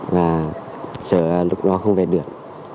và sợ lúc đó không về được